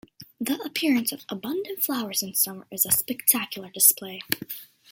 The appearance of abundant flowers in summer is a spectacular display.